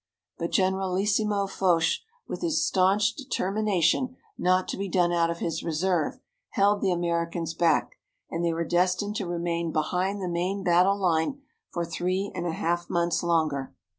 But Generalissimo Foch, with his stanch determination not to be done out of his reserve, held the Americans back, and they were destined to remain behind the main battle line for three and a half months longer.